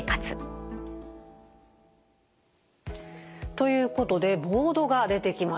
ということでボードが出てきました。